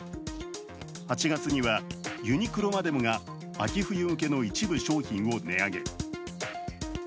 ８月には、ユニクロまでもが秋冬向けの一部商品を値上げ。